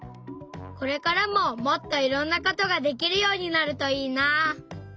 これからももっといろんなことができるようになるといいな！